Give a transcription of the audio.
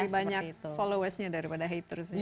banyak followersnya daripada hatersnya